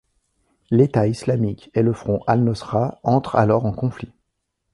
L'État islamique et le Front al-Nosra entrent alors en conflit.